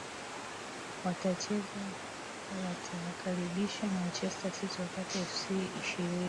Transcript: watacheza watawakaribisha manchester city wakati fc ishirini